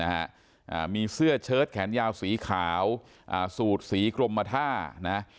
อ่ามีเสื้อเชิดแขนยาวสีขาวอ่าสูตรสีกรมท่านะ